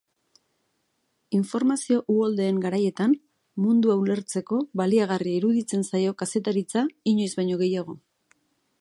Informazio uholdeen garaietan, mundua ulertzeko baliagarria iruditzen zaio kazetaritza inoiz baino gehiago.